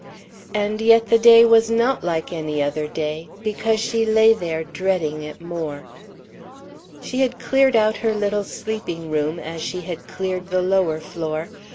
And yet the day was not like any other day, because she lay there dreading it more. She had cleared out her little sleeping room, as she had cleared the lower floor.